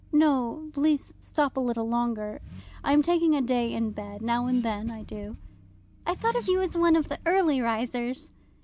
"No please stop a little longer I am taking a day in bed. Now and then I do." "I thought of you as one of the early risers."